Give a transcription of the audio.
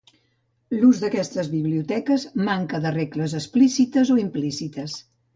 L'ús d'aquestes biblioteques manca de regles explícites o implícites.